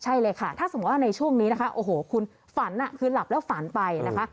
ใช่เลยค่ะถ้าสมมุติว่าในช่วงนี้นะคะโอ้โหคุณฝันคือหลับแล้วฝันไปนะคะ